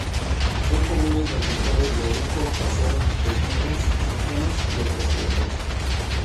Son comunes los licores de orujo caseros de guindas, arándanos y otras frutas.